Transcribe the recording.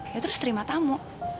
ya terus terima tamu